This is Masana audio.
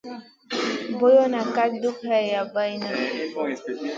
Boyen ka duh wa habayna.